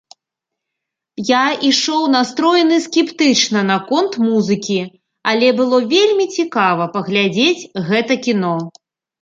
Я ішоў настроены скептычна наконт музыкі, але было вельмі цікава паглядзець гэта кіно.